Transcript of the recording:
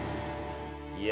いや。